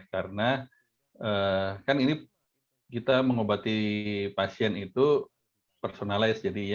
karena kan ini kita mengobati pasien itu personalized